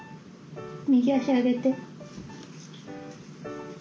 右足上げて。